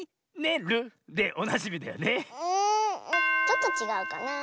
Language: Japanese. んちょっとちがうかなあ。